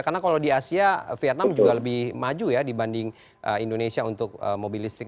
karena kalau di asia vietnam juga lebih maju ya dibanding indonesia untuk mobil listrik